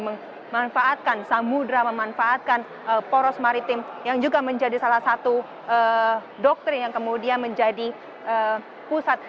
memanfaatkan samudera memanfaatkan poros maritim yang juga menjadi salah satu doktrin yang kemudian menjadi pusat